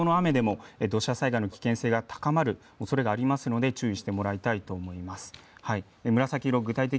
多少の雨でも土砂災害の危険性が高まるおそれがありますので注意してもらいたいと思います。